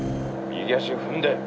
右足踏んで。